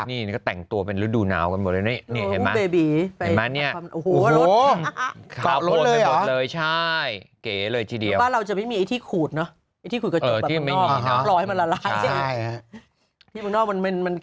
นี่ก็แต่งตัวเป็นฤดูนาวกันหมดเลย